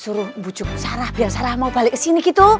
suruh bujuk sarah biar sarah mau balik sini gitu